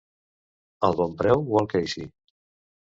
Al Bonpreu o al Keisy?